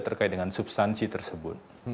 terkait dengan substansi tersebut